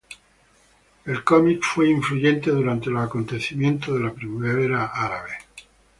El cómic fue influyente durante los acontecimientos de la primavera árabe.